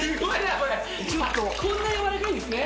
こんな柔らかいんですね。